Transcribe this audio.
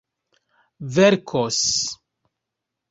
verkos